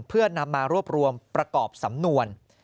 เพื่อนำมารวบรวมประกอบสำนวน